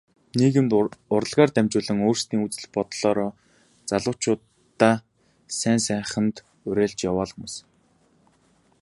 Нийгэмд урлагаар дамжуулж өөрсдийн үзэл бодлоороо залуучуудаа сайн сайханд уриалж яваа л хүмүүс.